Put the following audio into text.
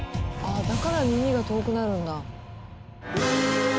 だから耳が遠くなるんだ。